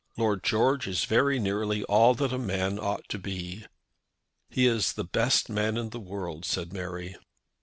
Lord George is very nearly all that a man ought to be." "He is the best man in the world," said Mary.